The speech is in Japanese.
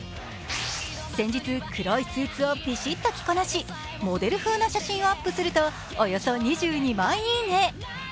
先日、黒いスーツをビシッと着こなし、モデル風な写真をアップするとおよそ２２万いいね。